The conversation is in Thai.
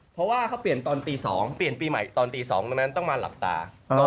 เพราะว่าเขาเปลี่ยนตอนปี๒ต้องมาหลับตา